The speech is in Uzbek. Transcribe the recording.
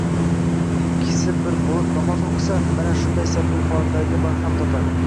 Ikkisi bir bo‘lib namoz o‘qishsa, mana shunday salbiy holatlar barham topadi.